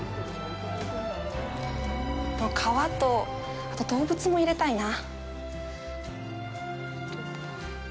川と、あと動物も入れたいな。